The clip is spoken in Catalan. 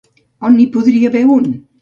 On n'hi podria haver un?